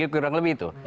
kurang lebih itu